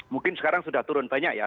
mungkin sekarang sudah turun banyak ya